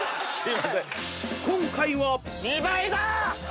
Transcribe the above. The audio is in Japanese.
［今回は］